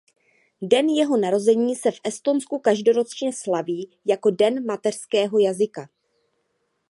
Den jeho narození se v Estonsku každoročně slaví jako Den mateřského jazyka.